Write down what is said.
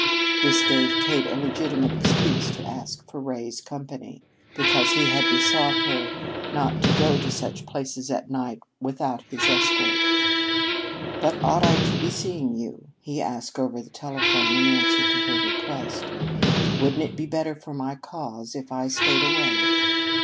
This gave Kate a legitimate excuse to ask for Ray's company, because he had besought her not to go to such places at night without his escort. "But ought I to be seeing you?" he asked over the telephone in answer to her request. "Wouldn't it be better for my cause if I stayed away?"